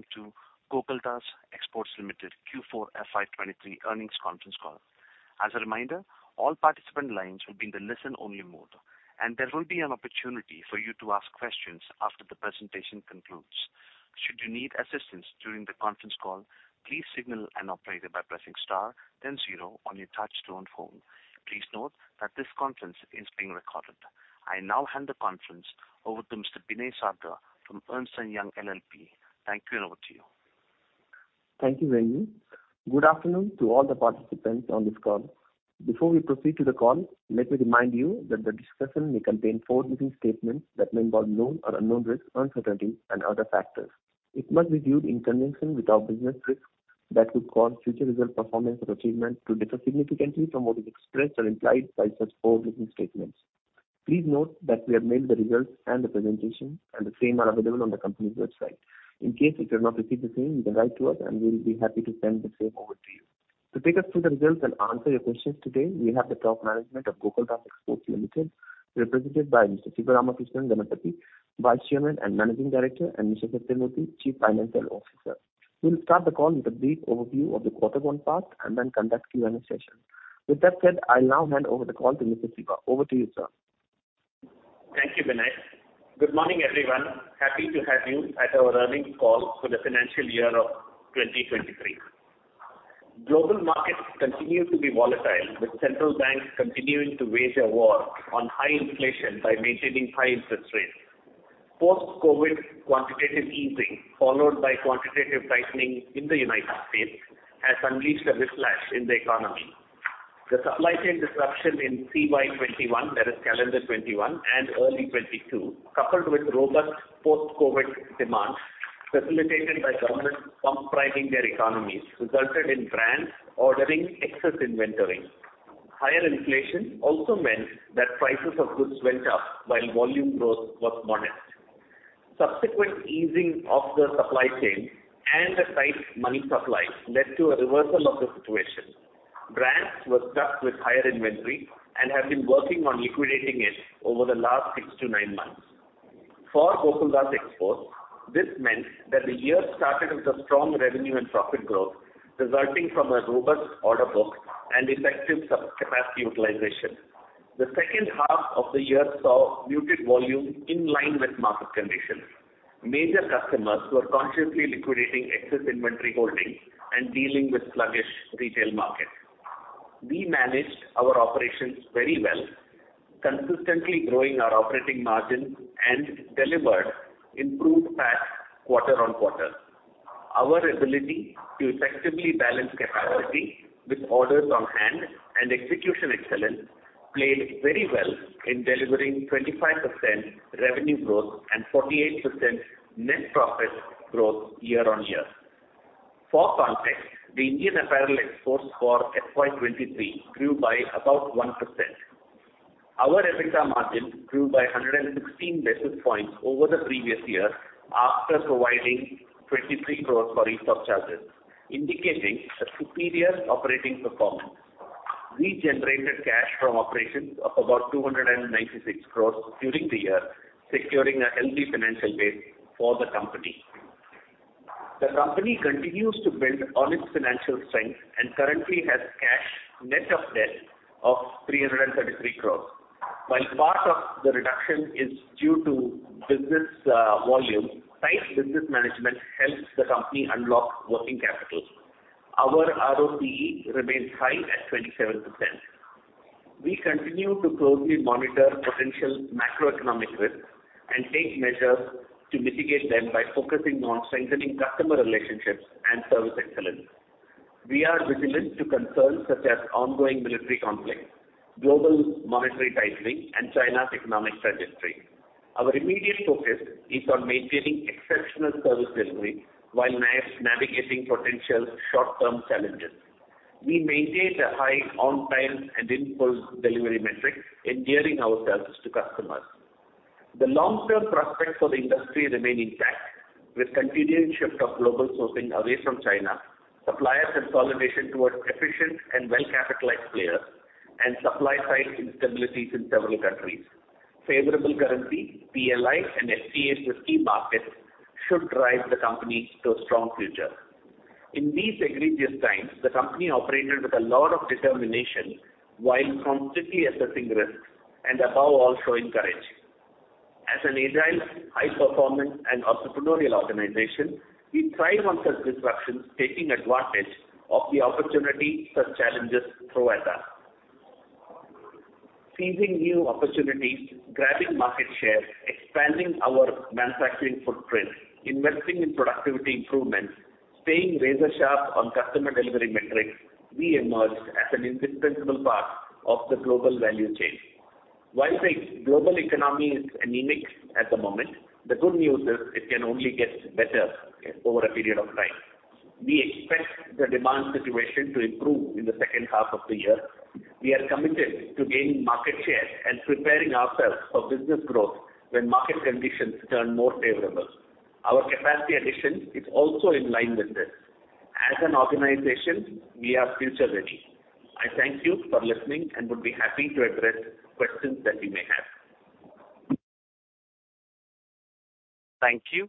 Welcome to Gokaldas Exports Limited Q4 FY 2023 earnings conference call. As a reminder, all participant lines will be in the listen-only mode, and there will be an opportunity for you to ask questions after the presentation concludes. Should you need assistance during the conference call, please signal an operator by pressing star, then zero on your touch-tone phone. Please note that this conference is being recorded. I now hand the conference over to Mr. Binay Sarda from Ernst & Young LLP. Thank you, and over to you. Thank you, Venu. Good afternoon to all the participants on this call. Before we proceed to the call, let me remind you that the discussion may contain forward-looking statements that may involve known or unknown risks, uncertainty, and other factors. It must be viewed in conjunction with our business risks that could cause future result performance or achievement to differ significantly from what is expressed or implied by such forward-looking statements. Please note that we have mailed the results and the presentation, and the same are available on the company's website. In case if you have not received the same, you can write to us, and we'll be happy to send the same over to you. To take us through the results and answer your questions today, we have the top management of Gokaldas Exports Limited, represented by Mr. Sivaramakrishnan Ganapathi, Vice Chairman and Managing Director, and Mr. Sathyamurthy, Chief Financial Officer. We'll start the call with a brief overview of the quarter gone past and then conduct Q&A session. With that said, I'll now hand over the call to Mr. Siva. Over to you, sir. Thank you, Binay. Good morning, everyone. Happy to have you at our earnings call for the financial year of 2023. Global markets continue to be volatile, with central banks continuing to wage a war on high inflation by maintaining high interest rates. Post-COVID quantitative easing, followed by quantitative tightening in the United States, has unleashed a whiplash in the economy. The supply chain disruption in CY 2021, that is calendar 2021, and early 2022, coupled with robust post-COVID demand facilitated by governments pump-driving their economies, resulted in brands ordering excess inventory. Higher inflation also meant that prices of goods went up while volume growth was modest. Subsequent easing of the supply chain and a tight money supply led to a reversal of the situation. Brands were stuck with higher inventory and have been working on liquidating it over the last six-nine months. For Gokaldas Exports, this meant that the year started with a strong revenue and profit growth resulting from a robust order book and effective capacity utilization. The second half of the year saw muted volume in line with market conditions. Major customers were consciously liquidating excess inventory holdings and dealing with sluggish retail markets. We managed our operations very well, consistently growing our operating margins and delivered improved PAT quarter-on-quarter. Our ability to effectively balance capacity with orders on hand and execution excellence played very well in delivering 25% revenue growth and 48% net profit growth year-on-year. For context, the Indian apparel exports for FY 2023 grew by about 1%. Our EBITDA margin grew by 116 basis points over the previous year after providing 23 crore for ESOP charges, indicating a superior operating performance. We generated cash from operations of about 296 crore during the year, securing a healthy financial base for the company. The company continues to build on its financial strength and currently has cash net of debt of 333 crore. While part of the reduction is due to business volume, tight business management helps the company unlock working capital. Our ROCE remains high at 27%. We continue to closely monitor potential macroeconomic risks and take measures to mitigate them by focusing on strengthening customer relationships and service excellence. We are vigilant to concerns such as ongoing military conflicts, global monetary tightening, and China's economic trajectory. Our immediate focus is on maintaining exceptional service delivery while navigating potential short-term challenges. We maintained a high on-time and in-force delivery metric, endearing ourselves to customers. The long-term prospects for the industry remain intact, with continued shift of global sourcing away from China, supplier consolidation towards efficient and well-capitalized players, and supply-side instabilities in several countries. Favorable currency, PLI, and FTAs with key markets should drive the company to a strong future. In these egregious times, the company operated with a lot of determination while constantly assessing risks and above all showing courage. As an agile, high-performance, and entrepreneurial organization, we thrive on such disruptions, taking advantage of the opportunity such challenges throw at us. Seizing new opportunities, grabbing market share, expanding our manufacturing footprint, investing in productivity improvements, staying razor-sharp on customer delivery metrics, we emerged as an indispensable part of the global value chain. While the global economy is anemic at the moment, the good news is it can only get better over a period of time. We expect the demand situation to improve in the second half of the year. We are committed to gaining market share and preparing ourselves for business growth when market conditions turn more favorable. Our capacity addition is also in line with this. As an organization, we are future-ready. I thank you for listening and would be happy to address questions that you may have. Thank you.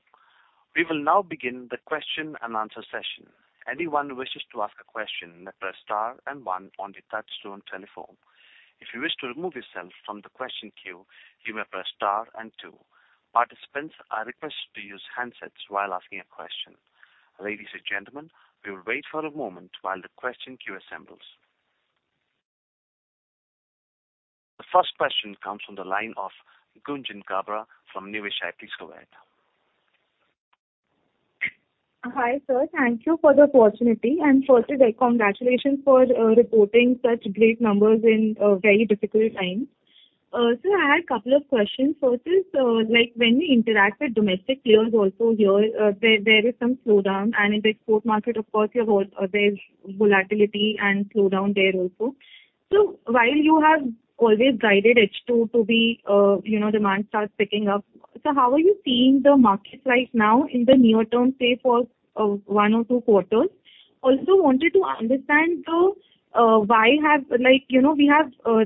We will now begin the question-and-answer session. Anyone wishes to ask a question, may press star and one on the touch-tone telephone. If you wish to remove yourself from the question queue, you may press star and two. Participants are requested to use handsets while asking a question. Ladies and gentlemen, we will wait for a moment while the question queue assembles. The first question comes from the line of Gunjan Kabra from Niveshaay. Please go ahead. Hi, sir. Thank you for the opportunity. I'm fortunate to congratulate you for reporting such great numbers in a very difficult time. Sir, I had a couple of questions. First is, when you interact with domestic players also here, there is some slowdown, and in the export market, of course, there's volatility and slowdown there also. So while you have always guided H2 to be demand starts picking up, so how are you seeing the markets right now in the near term, say, for one or two quarters? Also wanted to understand, though, why have we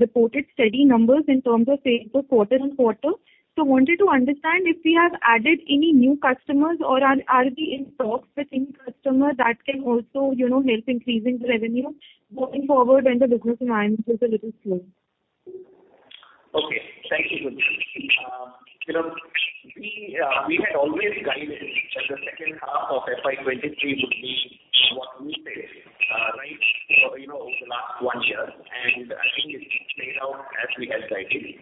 reported steady numbers in terms of sales quarter-on-quarter. So wanted to understand if we have added any new customers or are we in talks with any customer that can also help increase the revenue going forward when the business environment is a little slow. Okay. Thank you, Gunjan. We had always guided that the second half of FY 2023 would be what we said right over the last one year, and I think it played out as we had guided.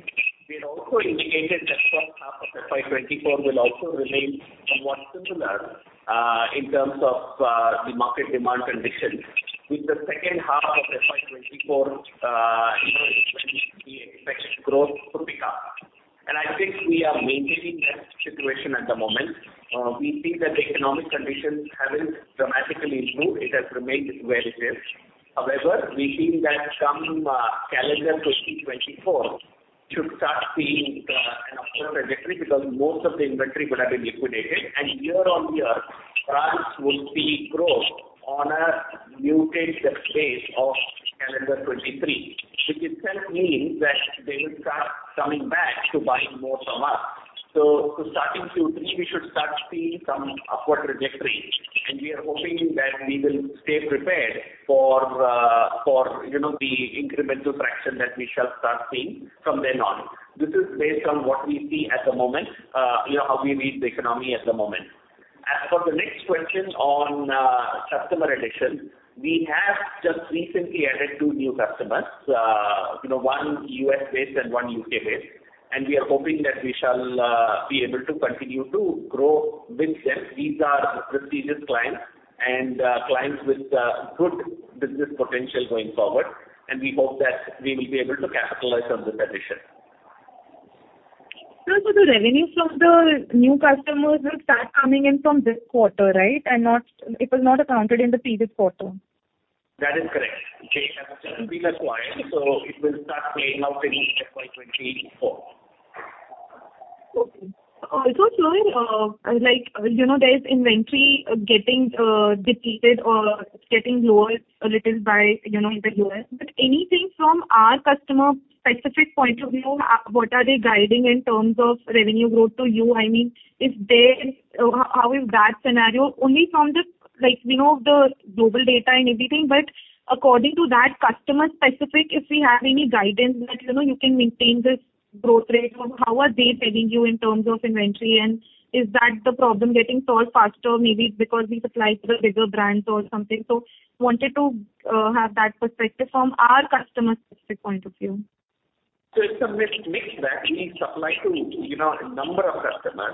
We had also indicated that the first half of FY 2024 will also remain somewhat similar in terms of the market demand conditions, with the second half of FY 2024 is when we expect growth to pick up. I think we are maintaining that situation at the moment. We see that the economic conditions haven't dramatically improved. It has remained where it is. However, we see that come calendar 2024, we should start seeing an upward trajectory because most of the inventory would have been liquidated. Year on year, brands would see growth on a muted base of calendar 2023, which itself means that they will start coming back to buying more from us. So starting Q3, we should start seeing some upward trajectory, and we are hoping that we will stay prepared for the incremental fraction that we shall start seeing from then on. This is based on what we see at the moment, how we read the economy at the moment. As for the next question on customer addition, we have just recently added two new customers, one U.S.-based and one U.K.-based, and we are hoping that we shall be able to continue to grow with them. These are prestigious clients and clients with good business potential going forward, and we hope that we will be able to capitalize on this addition. Sir, so the revenue from the new customers will start coming in from this quarter, right? It was not accounted in the previous quarter. That is correct. They has just been acquired, so it will start playing out in FY 2024. Okay. Also here, there's inventory getting depleted or getting lower a little by the U.S. But anything from our customer-specific point of view, what are they guiding in terms of revenue growth to you? I mean, how is that scenario? Only from what we know of the global data and everything, but according to that customer-specific, if we have any guidance that you can maintain this growth rate, how are they telling you in terms of inventory? And is that the problem getting solved faster, maybe because we supply to the bigger brands or something? So wanted to have that perspective from our customer-specific point of view. So it's a mixed bag. We supply to a number of customers,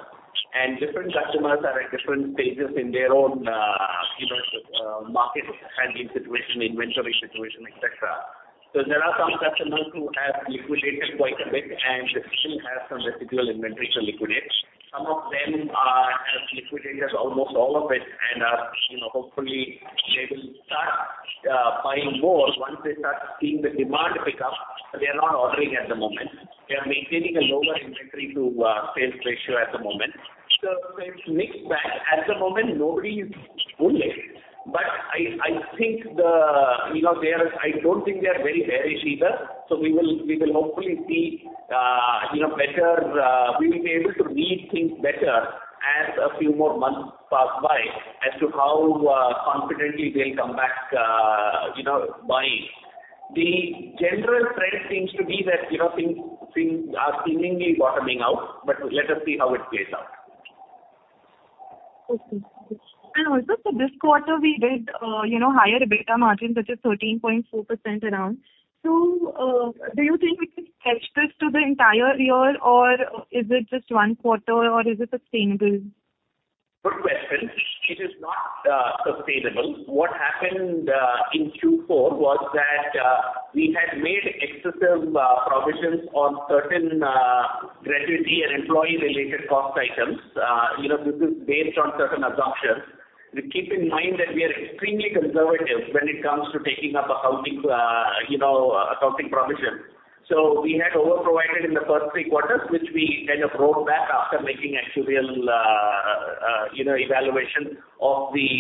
and different customers are at different stages in their own market handling situation, inventory situation, etc. So there are some customers who have liquidated quite a bit and still have some residual inventory to liquidate. Some of them have liquidated almost all of it, and hopefully, they will start buying more once they start seeing the demand pick up. But they are not ordering at the moment. They are maintaining a lower inventory-to-sales ratio at the moment. So it's a mixed bag. At the moment, nobody is bullish, but I think I don't think they are very bearish either. So we will hopefully see better, we will be able to read things better as a few more months pass by as to how confidently they'll come back buying. The general trend seems to be that things are seemingly bottoming out, but let us see how it plays out. Okay. And also, for this quarter, we did higher a EBITDA margin such as 13.4% around. So do you think we can stretch this to the entire year, or is it just one quarter, or is it sustainable? Good question. It is not sustainable. What happened in Q4 was that we had made excessive provisions on certain gratuity and employee-related cost items. This is based on certain assumptions. Keep in mind that we are extremely conservative when it comes to taking up accounting provisions. So we had overprovided in the first three quarters, which we kind of wrote back after making actual evaluation of the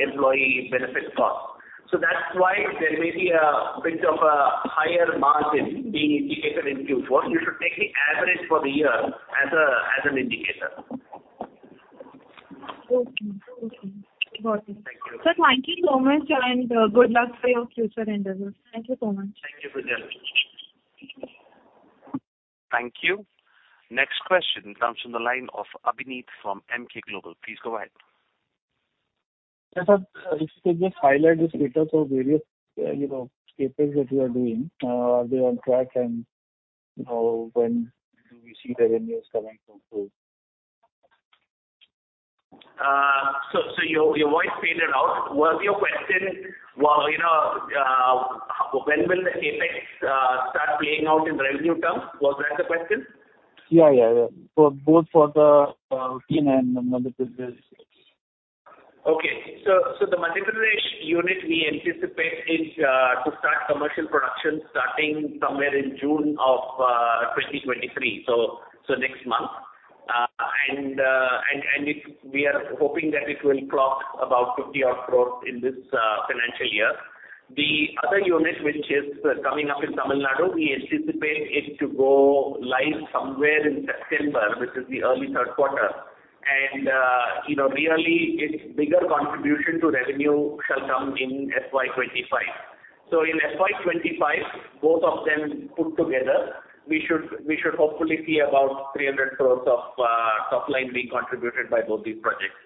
employee benefit cost. So that's why there may be a bit of a higher margin being indicated in Q4. You should take the average for the year as an indicator. Okay. Okay. Got it. Thank you. Sir, thank you so much, and good luck for your Q4 interviews. Thank you so much. Thank you, Gunjan. Thank you. Next question comes from the line of Abhineet from Emkay Global. Please go ahead. Yes, sir. If you could just highlight the status of various CapEx that you are doing. Are they on track, and when do we see revenues coming through? Your voice faded out. Was your question, "When will CapEx start playing out in revenue terms?" Was that the question? Yeah, yeah, yeah. Both for the routine and the MP units. Okay. So the new unit, we anticipate to start commercial production starting somewhere in June of 2023, so next month. We are hoping that it will clock about 50-odd crore in this financial year. The other unit, which is coming up in Tamil Nadu, we anticipate it to go live somewhere in September, which is the early third quarter. Really, its bigger contribution to revenue shall come in FY 2025. So in FY 2025, both of them put together, we should hopefully see about 300 crore of top-line being contributed by both these projects.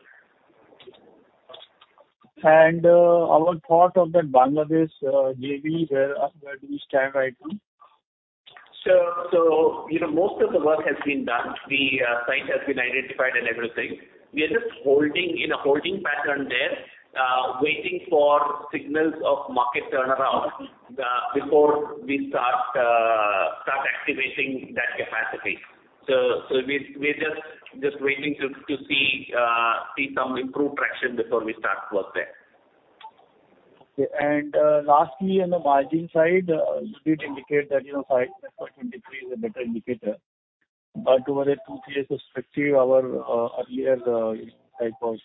Our thought of that Bangladesh, JV, where do we stand right now? Most of the work has been done. The site has been identified and everything. We are just in a holding pattern there, waiting for signals of market turnaround before we start activating that capacity. We're just waiting to see some improved traction before we start work there. Okay. And lastly, on the margin side, you did indicate that FY 2023 is a better indicator. But over the two-three years of history, our earlier type of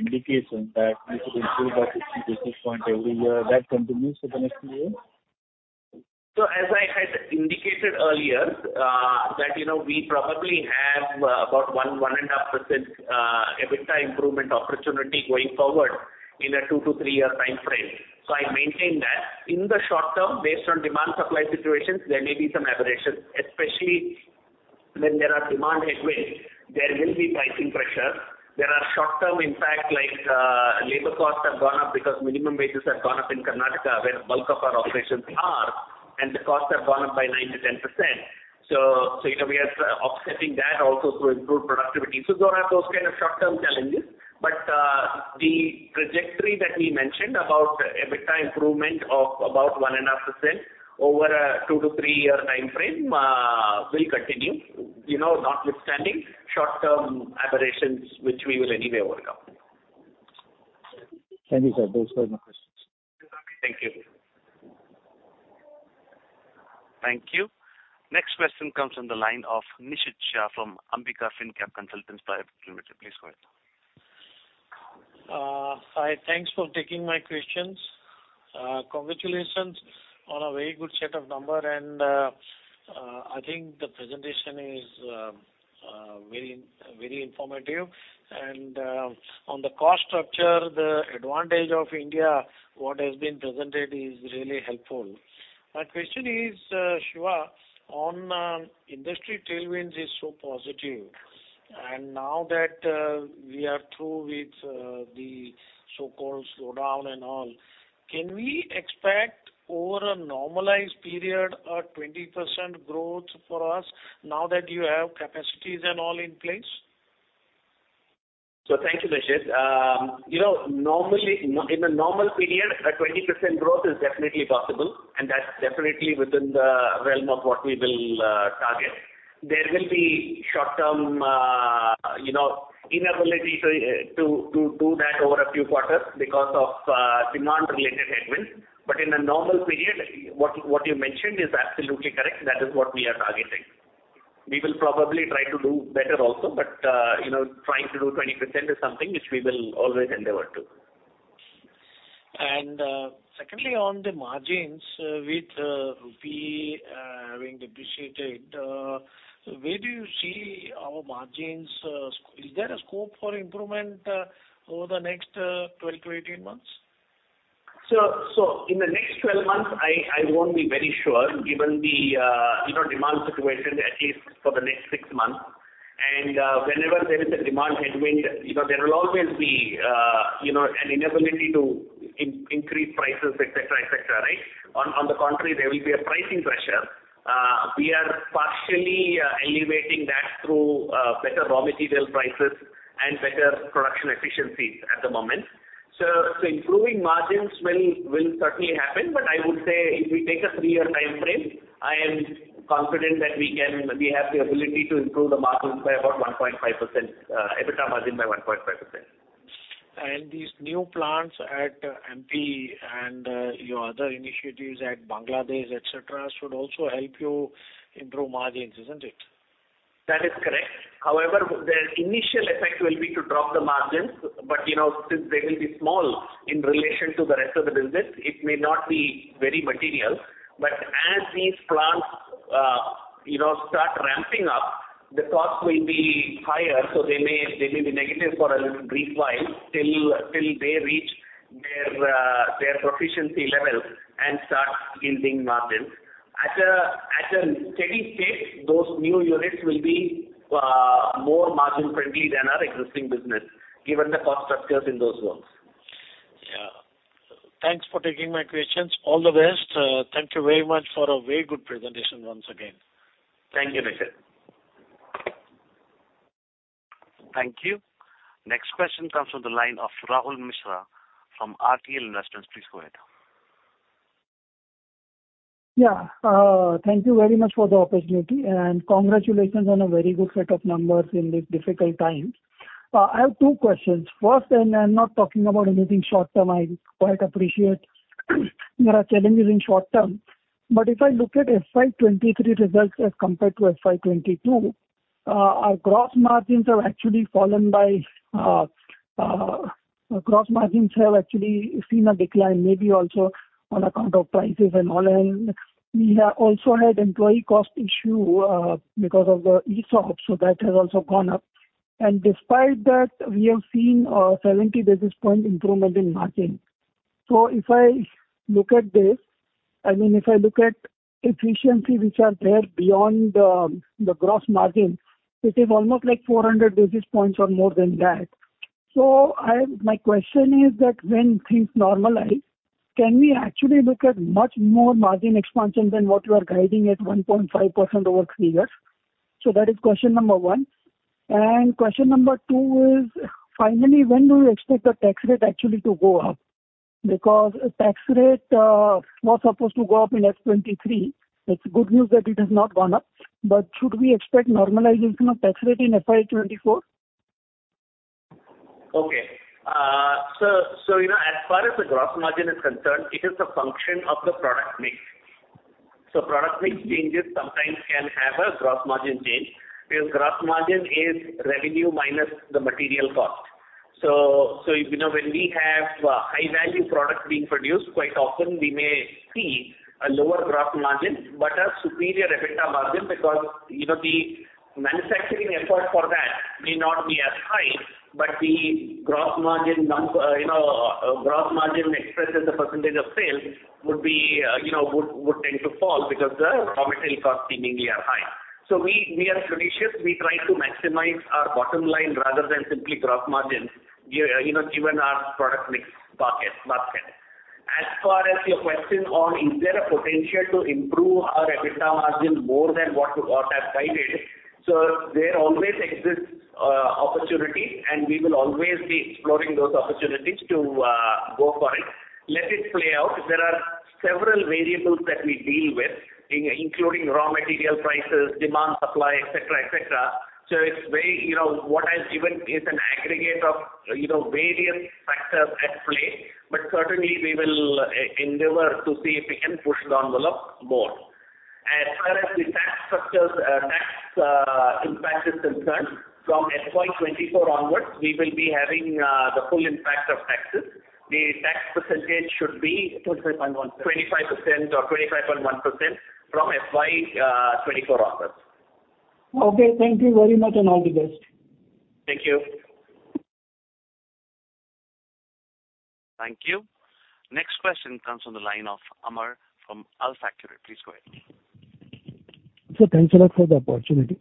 indication that we should improve our 50 basis points every year, that continues for the next few years? So as I had indicated earlier, that we probably have about 1.5% EBITDA improvement opportunity going forward in a two-three-year time frame. So I maintain that. In the short term, based on demand-supply situations, there may be some aberrations, especially when there are demand headwinds. There will be pricing pressure. There are short-term, in fact, labor costs have gone up because minimum wages have gone up in Karnataka, where the bulk of our operations are, and the costs have gone up by 9%-10%. So we are offsetting that also through improved productivity. So there are those kind of short-term challenges. But the trajectory that we mentioned about EBITDA improvement of about 1.5% over a two-three-year time frame will continue, notwithstanding short-term aberrations, which we will anyway overcome. Thank you, sir. Those were my questions. Thank you. Thank you. Next question comes from the line of Nishid Shah from Ambika Finstock Consultants Private Limited. Please go ahead. Hi. Thanks for taking my questions. Congratulations on a very good set of numbers, and I think the presentation is very informative. On the cost structure, the advantage of India, what has been presented, is really helpful. My question is, Siva, on industry tailwinds is so positive. Now that we are through with the so-called slowdown and all, can we expect over a normalized period a 20% growth for us now that you have capacities and all in place? So thank you, Nishid. In a normal period, a 20% growth is definitely possible, and that's definitely within the realm of what we will target. There will be short-term inability to do that over a few quarters because of demand-related headwinds. But in a normal period, what you mentioned is absolutely correct. That is what we are targeting. We will probably try to do better also, but trying to do 20% is something which we will always endeavor to. Secondly, on the margins, with rupee having depreciated, where do you see our margins? Is there a scope for improvement over the next 12-18 months? So in the next 12 months, I won't be very sure given the demand situation, at least for the next six months. And whenever there is a demand headwind, there will always be an inability to increase prices, etc., etc., right? On the contrary, there will be a pricing pressure. We are partially elevating that through better raw material prices and better production efficiencies at the moment. So improving margins will certainly happen, but I would say if we take a three-year time frame, I am confident that we have the ability to improve the margins by about 1.5%, EBITDA margin by 1.5%. These new plants at MP and your other initiatives at Bangladesh, etc., should also help you improve margins, isn't it? That is correct. However, the initial effect will be to drop the margins. But since they will be small in relation to the rest of the business, it may not be very material. But as these plants start ramping up, the cost will be higher, so they may be negative for a brief while till they reach their proficiency level and start yielding margins. At a steady state, those new units will be more margin-friendly than our existing business given the cost structures in those zones. Yeah. Thanks for taking my questions. All the best. Thank you very much for a very good presentation once again. Thank you, Nishid. Thank you. Next question comes from the line of Rahul Mishra from RTL Investments. Please go ahead. Yeah. Thank you very much for the opportunity, and congratulations on a very good set of numbers in this difficult time. I have two questions. First, and I'm not talking about anything short-term, I quite appreciate there are challenges in short term. But if I look at FY 2023 results as compared to FY 2022, our gross margins have actually fallen by gross margins have actually seen a decline, maybe also on account of prices and all. And we have also had employee cost issue because of the ESOP, so that has also gone up. And despite that, we have seen a 70 basis points improvement in margin. So if I look at this I mean, if I look at efficiency, which are there beyond the gross margin, it is almost like 400 basis points or more than that. My question is that when things normalize, can we actually look at much more margin expansion than what you are guiding at 1.5% over three years? That is question number one. Question number two is, finally, when do you expect the tax rate actually to go up? Because tax rate was supposed to go up in FY 2023. It's good news that it has not gone up. But should we expect normalization of tax rate in FY 2024? Okay. So as far as the gross margin is concerned, it is a function of the product mix. So product mix changes sometimes can have a gross margin change because gross margin is revenue minus the material cost. So when we have high-value products being produced, quite often, we may see a lower gross margin but a superior EBITDA margin because the manufacturing effort for that may not be as high, but the gross margin expresses a percentage of sales would tend to fall because the raw material costs seemingly are high. So we are judicious. We try to maximize our bottom line rather than simply gross margins given our product mix basket. As far as your question on, is there a potential to improve our EBITDA margin more than what I've guided? So there always exists opportunity, and we will always be exploring those opportunities to go for it. Let it play out. There are several variables that we deal with, including raw material prices, demand, supply, etc., etc. So what I've given is an aggregate of various factors at play, but certainly, we will endeavor to see if we can push the envelope more. As far as the tax impact is concerned, from FY 2024 onwards, we will be having the full impact of taxes. The tax percentage should be 25.1%. 25% or 25.1% from FY 2024 onwards. Okay. Thank you very much, and all the best. Thank you. Thank you. Next question comes from the line of Amar from AlfAccurate. Please go ahead. Thanks a lot for the opportunity.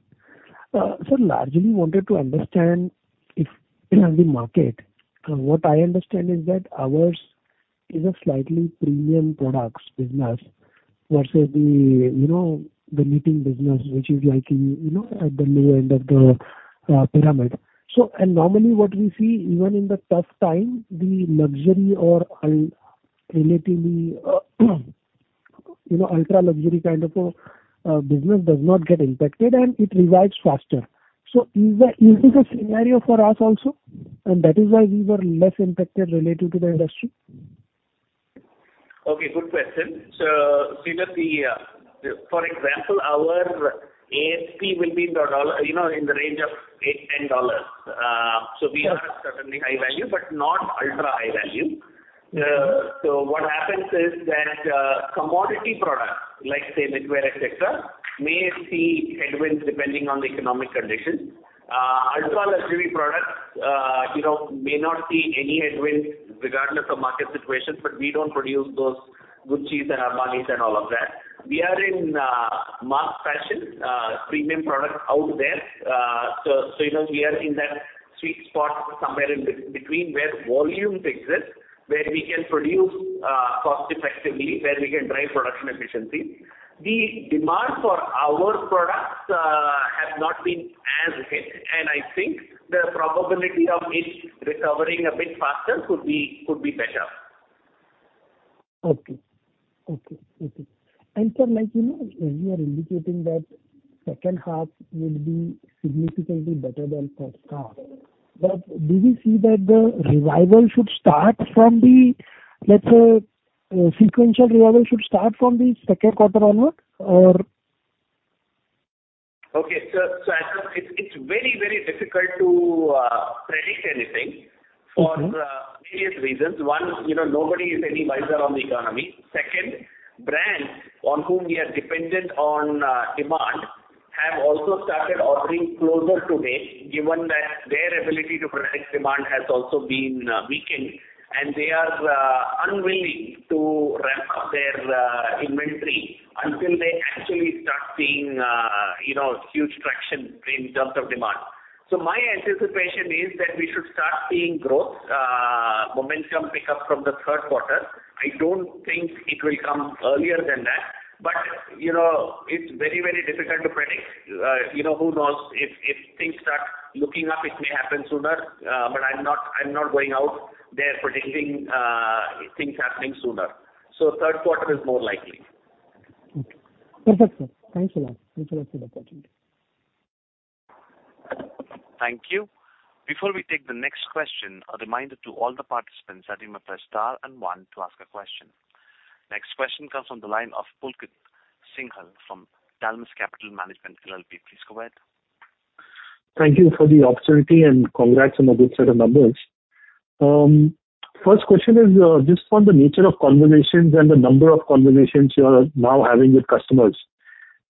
Sir, largely, I wanted to understand if in the market, what I understand is that ours is a slightly premium products business versus the knitting business, which is at the lower end of the pyramid. Normally, what we see, even in the tough time, the luxury or relatively ultra-luxury kind of business does not get impacted, and it revives faster. Is this a scenario for us also? That is why we were less impacted relative to the industry? Okay. Good question. So see, for example, our ASP will be in the range of $8-$10. So we are certainly high-value but not ultra-high-value. So what happens is that commodity products like, say, knitwear, etc., may see headwinds depending on the economic conditions. Ultra-luxury products may not see any headwinds regardless of market situations, but we don't produce those Guccis and Armanis and all of that. We are in mass fashion, premium products out there. So we are in that sweet spot somewhere in between where volumes exist, where we can produce cost-effectively, where we can drive production efficiencies. The demand for our products has not been as hit, and I think the probability of it recovering a bit faster could be better. Okay. And sir, you are indicating that second half would be significantly better than first half. But do we see that the revival should start from the, let's say, sequential revival should start from the second quarter onward, or? Okay. So it's very, very difficult to predict anything for various reasons. One, nobody is any wiser on the economy. Second, brands on whom we are dependent on demand have also started ordering closer today given that their ability to predict demand has also been weakened, and they are unwilling to ramp up their inventory until they actually start seeing huge traction in terms of demand. So my anticipation is that we should start seeing growth momentum pick up from the third quarter. I don't think it will come earlier than that, but it's very, very difficult to predict. Who knows? If things start looking up, it may happen sooner, but I'm not going out there predicting things happening sooner. So third quarter is more likely. Okay. Perfect, sir. Thank you a lot. Thank you a lot for the opportunity. Thank you. Before we take the next question, a reminder to all the participants to press star one to ask a question. Next question comes from the line of Pulkit Singhal from Dalmus Capital Management, LLP. Please go ahead. Thank you for the opportunity, and congrats on a good set of numbers. First question is just on the nature of conversations and the number of conversations you are now having with customers.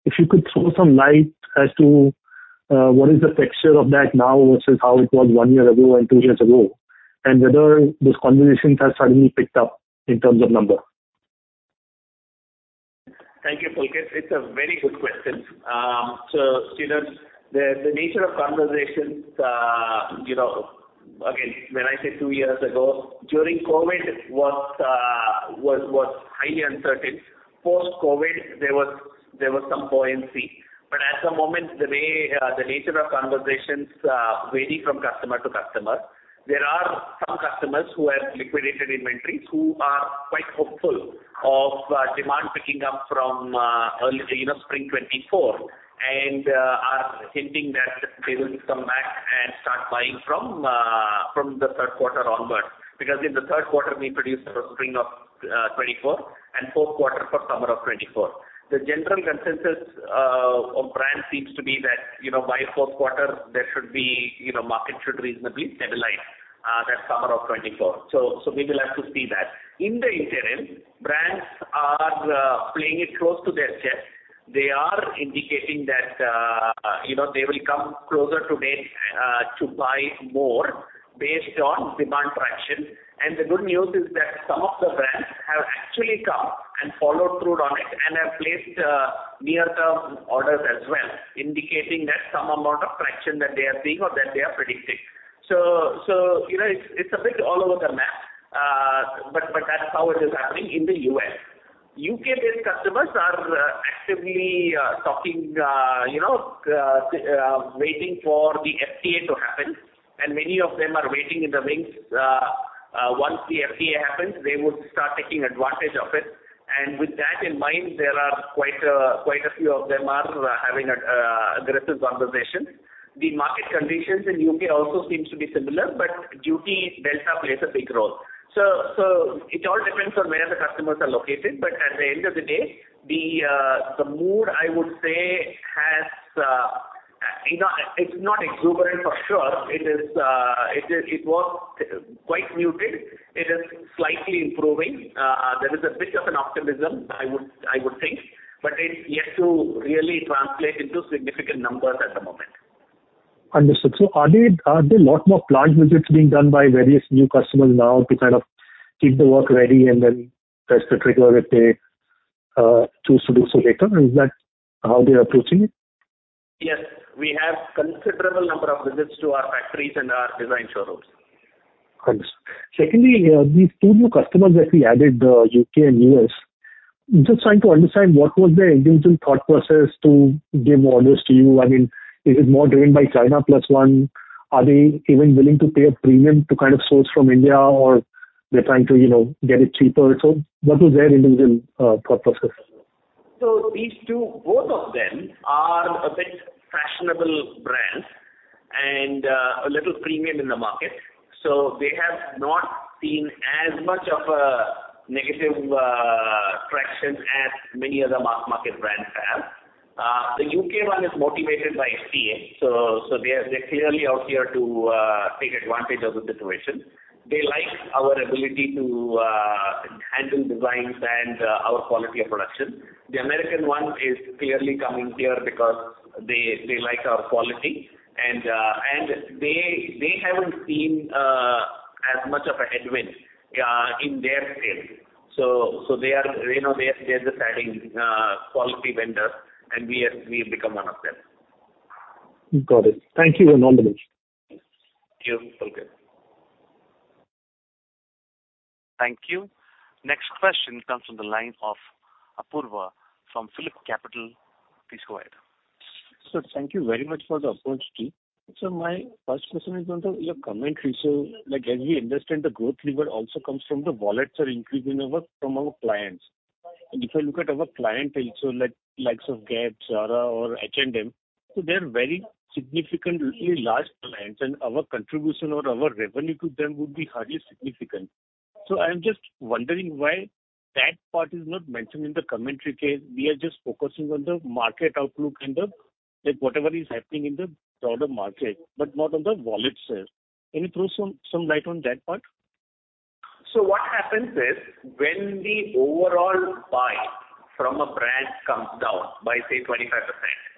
If you could throw some light as to what is the texture of that now versus how it was one year ago and two years ago and whether those conversations have suddenly picked up in terms of number? Thank you, Pulkit. It's a very good question. So the nature of conversations again, when I say two years ago, during COVID, what was highly uncertain. Post-COVID, there was some buoyancy. But at the moment, the nature of conversations vary from customer to customer. There are some customers who have liquidated inventories who are quite hopeful of demand picking up from spring 2024 and are hinting that they will come back and start buying from the third quarter onwards because in the third quarter, we produced for spring 2024 and fourth quarter for summer of 2024. The general consensus of brands seems to be that by fourth quarter, the market should reasonably stabilize that summer of 2024. So we will have to see that. In the interim, brands are playing it close to their chest. They are indicating that they will come closer today to buy more based on demand traction. The good news is that some of the brands have actually come and followed through on it and have placed near-term orders as well, indicating that some amount of traction that they are seeing or that they are predicting. So it's a bit all over the map, but that's how it is happening in the U.S. U.K.-based customers are actively talking, waiting for the FTA to happen, and many of them are waiting in the wings. Once the FTA happens, they would start taking advantage of it. With that in mind, quite a few of them are having aggressive conversations. The market conditions in the U.K. also seem to be similar, but duty delta plays a big role. So it all depends on where the customers are located. At the end of the day, the mood, I would say, has. It's not exuberant for sure. It was quite muted. It is slightly improving. There is a bit of an optimism, I would think, but it's yet to really translate into significant numbers at the moment. Understood. So are there a lot more plant visits being done by various new customers now to kind of keep the work ready and then test the trigger if they choose to do so later? Is that how they're approaching it? Yes. We have a considerable number of visits to our factories and our design showrooms. Understood. Secondly, these two new customers that we added, the U.K. and U.S., just trying to understand what was their individual thought process to give orders to you? I mean, is it more driven by China Plus One? Are they even willing to pay a premium to kind of source from India, or they're trying to get it cheaper? So what was their individual thought process? So both of them are a bit fashionable brands and a little premium in the market. So they have not seen as much of a negative traction as many other mass-market brands have. The U.K. one is motivated by FTA, so they're clearly out here to take advantage of the situation. They like our ability to handle designs and our quality of production. The American one is clearly coming here because they like our quality, and they haven't seen as much of a headwind in their sales. So they're just adding quality vendors, and we have become one of them. Got it. Thank you and all the best. Thank you, Pulkit. Thank you. Next question comes from the line of Apurva from PhillipCapital. Please go ahead. Sir, thank you very much for the opportunity. So my first question is on your commentary. So as we understand, the growth lever also comes from the wallets are increasing from our clients. And if I look at our clientele, so likes of Gap, Zara, or H&M, so they are very significantly large clients, and our contribution or our revenue to them would be highly significant. So I'm just wondering why that part is not mentioned in the commentary case. We are just focusing on the market outlook and whatever is happening in the broader market but not on the wallet sale. Can you throw some light on that part? So what happens is when the overall buy from a brand comes down by, say, 25%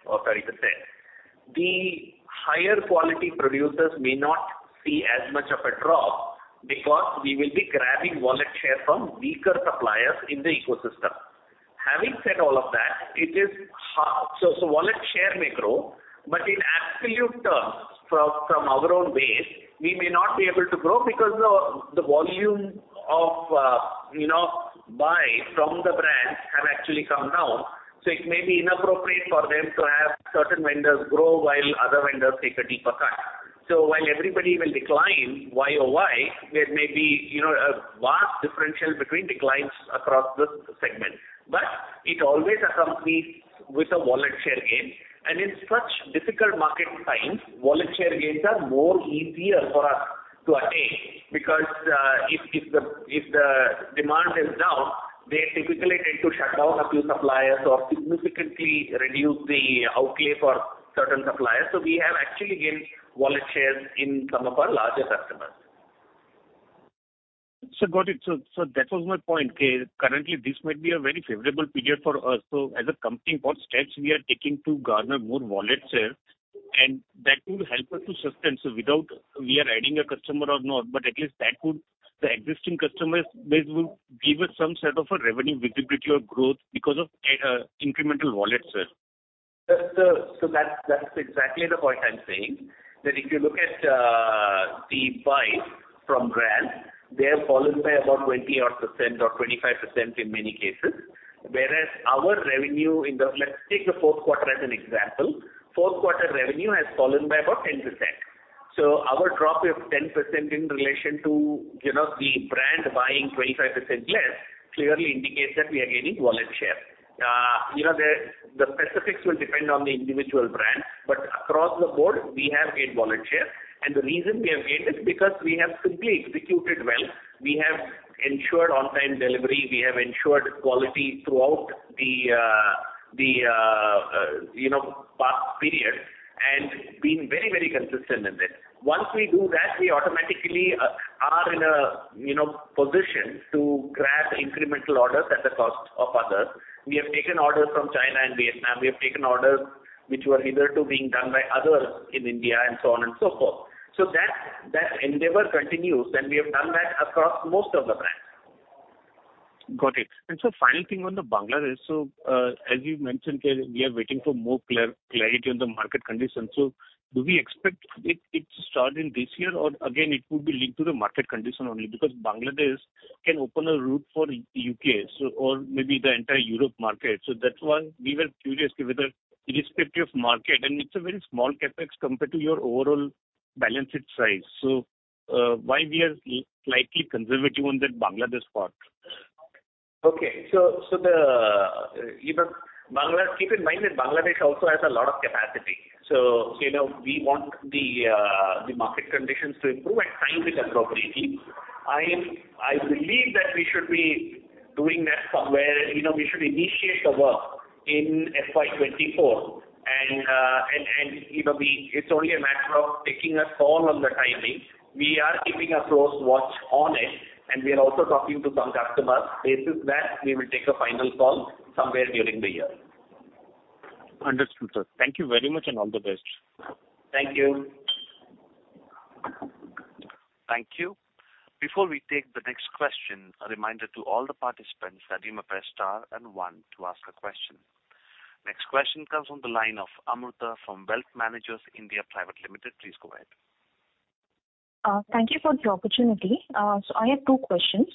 or 30%, the higher-quality producers may not see as much of a drop because we will be grabbing wallet share from weaker suppliers in the ecosystem. Having said all of that, so wallet share may grow, but in absolute terms, from our own base, we may not be able to grow because the volume of buy from the brands have actually come down. So it may be inappropriate for them to have certain vendors grow while other vendors take a deeper cut. So while everybody will decline YoY, there may be a vast differential between declines across this segment, but it always accompanies with a wallet share gain. In such difficult market times, wallet share gains are more easier for us to attain because if the demand is down, they typically tend to shut down a few suppliers or significantly reduce the outlay for certain suppliers. We have actually gained wallet shares in some of our larger customers. Sir, got it. That was my point. Currently, this might be a very favorable period for us. As a company, what steps we are taking to garner more wallet share? That could help us to sustain so we are adding a customer or not, but at least the existing customers base would give us some set of revenue visibility or growth because of incremental wallet share. So that's exactly the point I'm saying, that if you look at the buy from brands, they have fallen by about 20% or 25% in many cases, whereas our revenue in—let's take the fourth quarter as an example—fourth quarter revenue has fallen by about 10%. So our drop of 10% in relation to the brand buying 25% less clearly indicates that we are gaining wallet share. The specifics will depend on the individual brand, but across the board, we have gained wallet share. And the reason we have gained is because we have simply executed well. We have ensured on-time delivery. We have ensured quality throughout the past period and been very, very consistent in this. Once we do that, we automatically are in a position to grab incremental orders at the cost of others. We have taken orders from China and Vietnam. We have taken orders which were hitherto being done by others in India and so on and so forth. So that endeavor continues, and we have done that across most of the brands. Got it. And so final thing on the Bangladesh. So as you mentioned, we are waiting for more clarity on the market conditions. So do we expect it to start in this year, or again, it would be linked to the market condition only because Bangladesh can open a route for the U.K. or maybe the entire Europe market? So that's why we were curious whether irrespective of market and it's a very small CapEx compared to your overall balance sheet size, so why we are slightly conservative on that Bangladesh part. Okay. So keep in mind that Bangladesh also has a lot of capacity. So we want the market conditions to improve and time it appropriately. I believe that we should be doing that somewhere. We should initiate the work in FY 2024, and it's only a matter of taking a call on the timing. We are keeping a close watch on it, and we are also talking to some customers. Based on that we will take a final call somewhere during the year. Understood, sir. Thank you very much and all the best. Thank you. Thank you. Before we take the next question, a reminder to all the participants to press star one to ask a question. Next question comes from the line of Amruta from Wealth Managers (India) Private Limited. Please go ahead. Thank you for the opportunity. So I have two questions.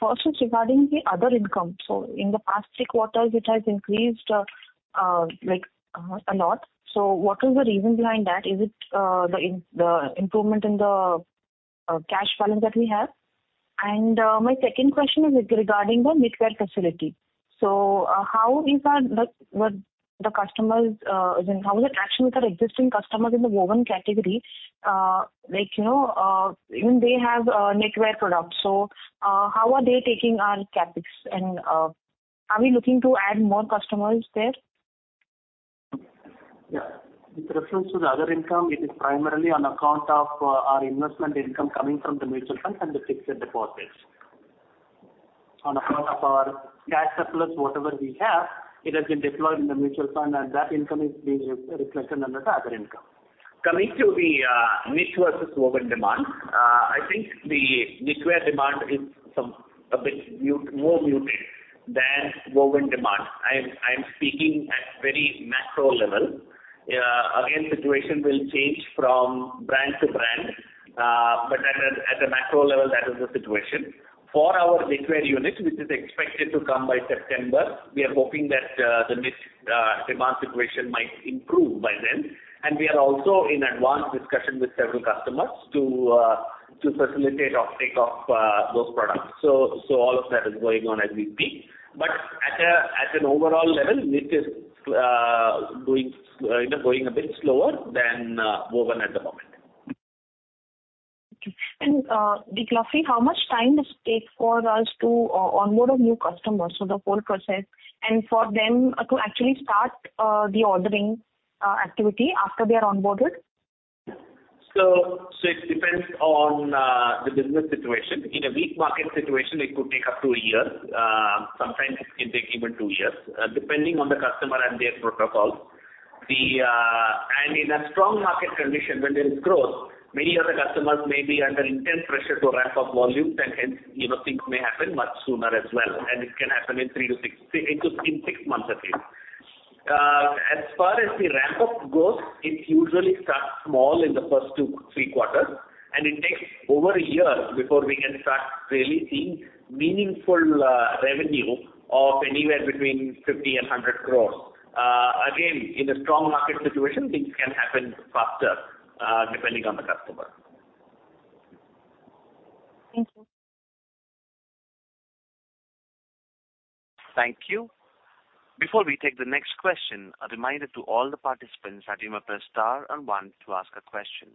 First is regarding the other income. So in the past three quarters, it has increased a lot. So what was the reason behind that? Is it the improvement in the cash balance that we have? And my second question is regarding the knitwear facility. So how is the customers, how is the traction with our existing customers in the woven category? Even they have knitwear products. So how are they taking our CapEx, and are we looking to add more customers there? Yeah. With reference to the other income, it is primarily on account of our investment income coming from the mutual funds and the fixed deposits. On account of our cash surplus, whatever we have, it has been deployed in the mutual fund, and that income is being reflected under the other income. Coming to the knits versus woven demand, I think the knitwear demand is a bit more muted than woven demand. I am speaking at very macro level. Again, situation will change from brand to brand, but at a macro level, that is the situation. For our knitwear unit, which is expected to come by September, we are hoping that the knits demand situation might improve by then. And we are also in advance discussion with several customers to facilitate offtake of those products. So all of that is going on as we speak. But at an overall level, knits is going a bit slower than woven at the moment. Okay. Sir, roughly how much time does it take for us to onboard a new customer, so the whole process, and for them to actually start the ordering activity after they are onboarded? So it depends on the business situation. In a weak market situation, it could take up to a year. Sometimes it can take even two years, depending on the customer and their protocols. In a strong market condition, when there is growth, many of the customers may be under intense pressure to ramp up volumes, and hence, things may happen much sooner as well. It can happen in three-six months at least. As far as the ramp-up goes, it usually starts small in the first three quarters, and it takes over a year before we can start really seeing meaningful revenue of anywhere between 50 crore and 100 crore. Again, in a strong market situation, things can happen faster depending on the customer. Thank you. Thank you. Before we take the next question, a reminder to all the participants to press star one to ask a question.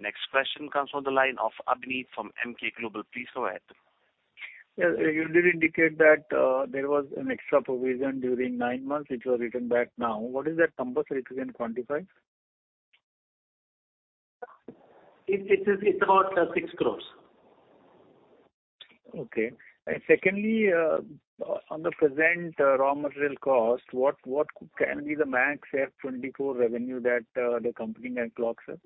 Next question comes from the line of Abhineet from Emkay Global. Please go ahead. You did indicate that there was an extra provision during nine months, which was written back now. What is that number? So it can quantify? It's about INR 6 crore. Okay. And secondly, on the present raw material cost, what can be the max FY 2024 revenue that the company can clock, sir?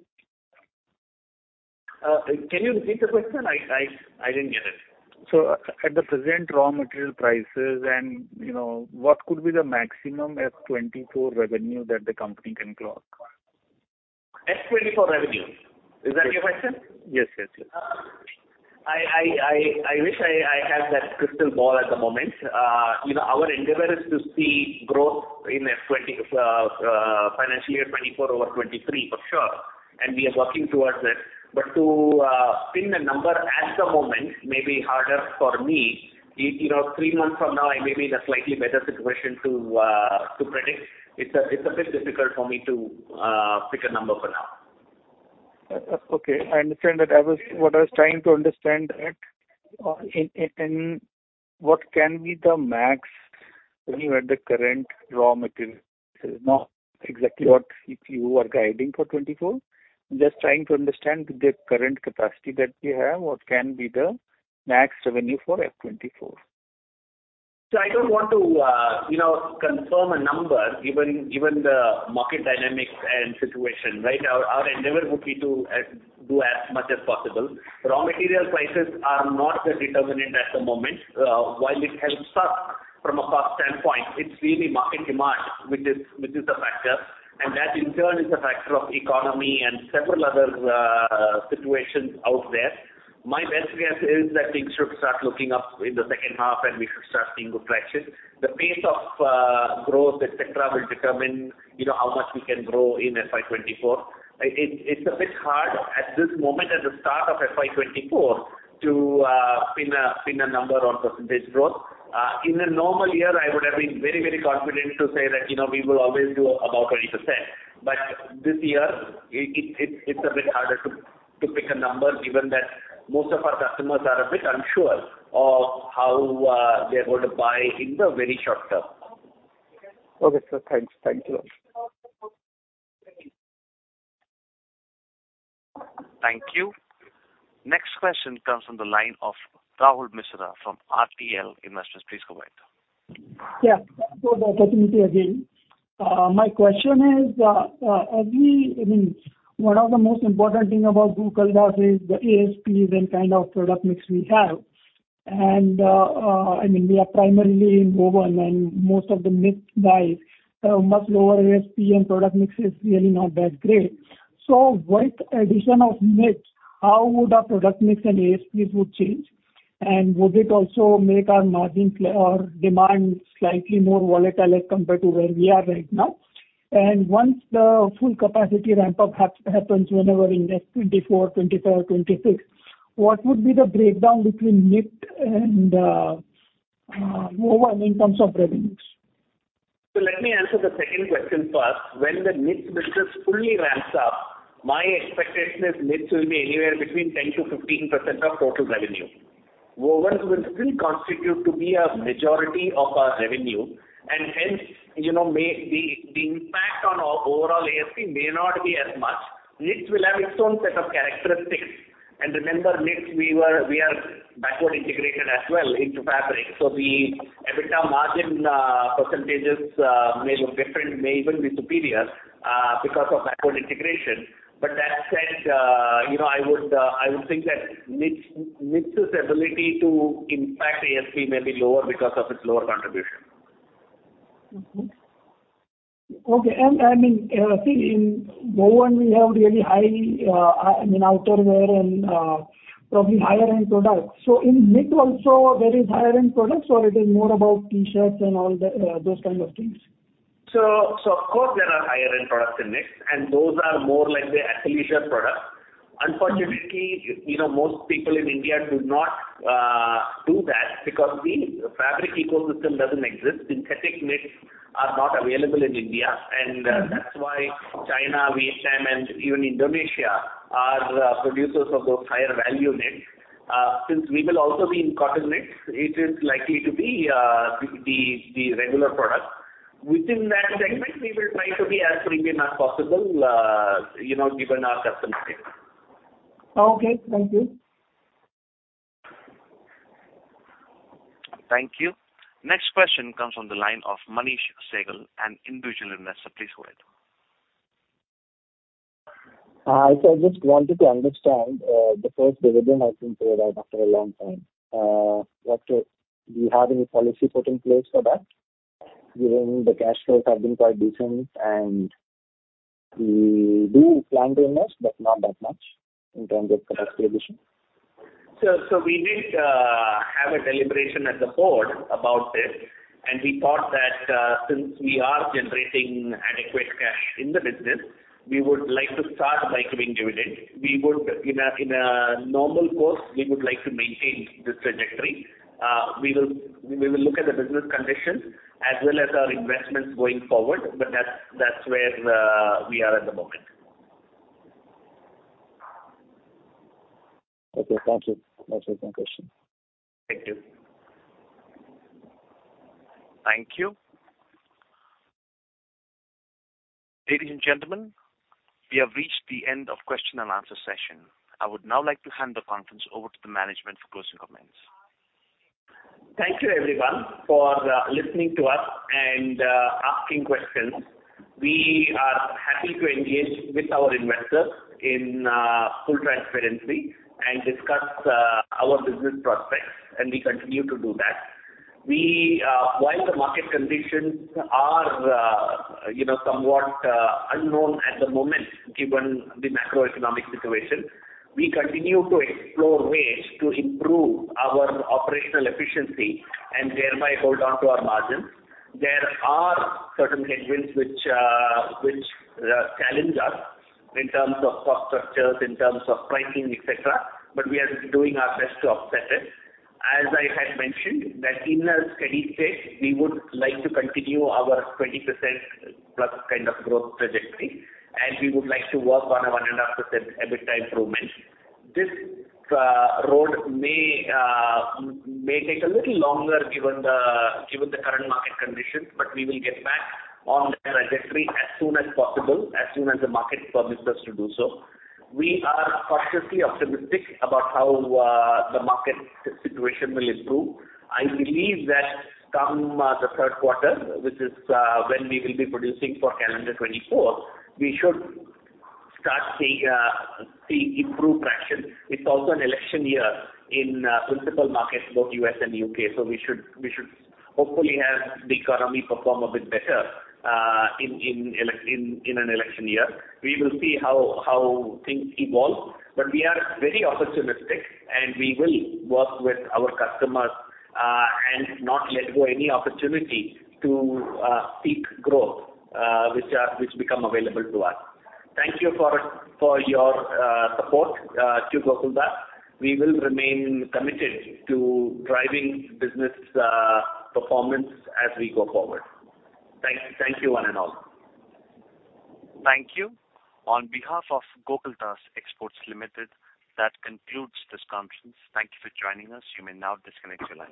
Can you repeat the question? I didn't get it. At the present raw material prices, what could be the maximum FY 2024 revenue that the company can clock? FY 2024 revenue. Is that your question? Yes, yes, yes. I wish I had that crystal ball at the moment. Our endeavor is to see growth in financial year 2024 over 2023 for sure, and we are working towards it. But to pin a number at the moment may be harder for me. Three months from now, I may be in a slightly better situation to predict. It's a bit difficult for me to pick a number for now. Okay. I understand that. What I was trying to understand in what can be the max revenue at the current raw materials, not exactly what you are guiding for 2024, just trying to understand with the current capacity that we have, what can be the max revenue for FY 2024? So I don't want to confirm a number given the market dynamics and situation, right? Our endeavor would be to do as much as possible. Raw material prices are not the determinant at the moment. While it helps us from a cost standpoint, it's really market demand, which is a factor. And that, in turn, is a factor of economy and several other situations out there. My best guess is that things should start looking up in the second half, and we should start seeing good traction. The pace of growth, etc., will determine how much we can grow in FY 2024. It's a bit hard at this moment, at the start of FY 2024, to pin a number on percentage growth. In a normal year, I would have been very, very confident to say that we will always do about 20%. But this year, it's a bit harder to pick a number given that most of our customers are a bit unsure of how they're going to buy in the very short term. Okay, sir. Thanks. Thank you very much. Thank you. Next question comes from the line of Rahul Mishra from RTL Investments. Please go ahead. Yeah. Thanks for the opportunity again. My question is, I mean, one of the most important things about Gokaldas is the ASPs and kind of product mix we have. And I mean, we are primarily in woven, and most of the knit buys, much lower ASP and product mix is really not that great. So with addition of knit, how would our product mix and ASPs change? And would it also make our margin or demand slightly more volatile as compared to where we are right now? And once the full capacity ramp-up happens whenever in FY 2024, FY 2025, FY 2026, what would be the breakdown between knit and woven in terms of revenues? So let me answer the second question first. When the knits business fully ramps up, my expectation is knits will be anywhere between 10%-15% of total revenue. Wovens will still constitute to be a majority of our revenue, and hence, the impact on our overall ASP may not be as much. Knits will have its own set of characteristics. And remember, knits, we are backward integrated as well into fabric. So the EBITDA margin percentages may look different, may even be superior because of backward integration. But that said, I would think that knits' ability to impact ASP may be lower because of its lower contribution. Okay. And I mean, I think in wovens, we have really high, I mean, outerwear and probably higher-end products. So in knits also, there is higher-end products, or it is more about T-shirts and all those kind of things? So, of course, there are higher-end products in knits, and those are more like the athleisure products. Unfortunately, most people in India do not do that because the fabric ecosystem doesn't exist. Synthetic knits are not available in India, and that's why China, Vietnam, and even Indonesia are producers of those higher-value knits. Since we will also be in cotton knits, it is likely to be the regular product. Within that segment, we will try to be as premium as possible given our customer base. Okay. Thank you. Thank you. Next question comes from the line of Manish Sehgal, an individual investor. Please go ahead. I just wanted to understand the first dividend has been paid out after a long time. Do you have any policy put in place for that given the cash flows have been quite decent? We do plan to invest, but not that much in terms of capacity addition. We did have a deliberation at the board about this, and we thought that since we are generating adequate cash in the business, we would like to start by giving dividend. In a normal course, we would like to maintain this trajectory. We will look at the business conditions as well as our investments going forward, but that's where we are at the moment. Okay. Thank you. Thank you for the question. Thank you. Thank you. Ladies and gentlemen, we have reached the end of question and answer session. I would now like to hand the conference over to the management for closing comments. Thank you, everyone, for listening to us and asking questions. We are happy to engage with our investors in full transparency and discuss our business prospects, and we continue to do that. While the market conditions are somewhat unknown at the moment given the macroeconomic situation, we continue to explore ways to improve our operational efficiency and thereby hold on to our margins. There are certain headwinds which challenge us in terms of cost structures, in terms of pricing, etc., but we are doing our best to offset it. As I had mentioned, that in a steady state, we would like to continue our 20%+ kind of growth trajectory, and we would like to work on a 1.5% EBITDA improvement. This road may take a little longer given the current market conditions, but we will get back on that trajectory as soon as possible, as soon as the market permits us to do so. We are cautiously optimistic about how the market situation will improve. I believe that come the third quarter, which is when we will be producing for calendar 2024, we should start seeing improved traction. It's also an election year in principal markets, both U.S. and U.K., so we should hopefully have the economy perform a bit better in an election year. We will see how things evolve, but we are very opportunistic, and we will work with our customers and not let go of any opportunity to seek growth, which becomes available to us. Thank you for your support, Gokaldas. We will remain committed to driving business performance as we go forward. Thank you, one and all. Thank you. On behalf of Gokaldas Exports Limited, that concludes this conference. Thank you for joining us. You may now disconnect your line.